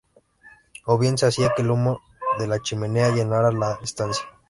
O bien se hacía que el humo de la chimenea llenara la estancia...